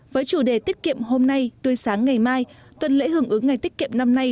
với chủ đề tiết kiệm hôm nay tươi sáng ngày mai tuần lễ hưởng ứng ngày tiết kiệm năm nay